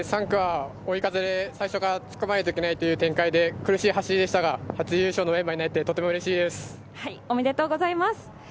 ３区は追い風で最初から突っ込まないといけない展開で、苦しい走りでしたが、初優勝のメンバーになれてとてもうれしいです。